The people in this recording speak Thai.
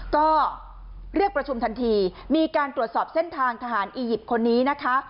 ก็เรียกประชุมทันทีมีการตรวจสอบเส้นทางทหารอียิปต์คนนี้นะคะ